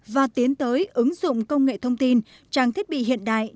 và tiến tới ứng dụng công nghệ thông tin trang thiết bị hiện đại